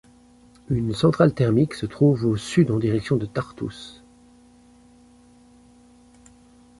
Une centrale thermique se trouve au sud en direction de Tartous.